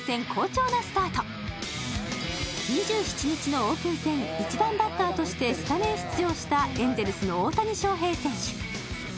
２７日のオープン戦、１番バッターとしてスタメン出場したエンゼルスの大谷翔平選手。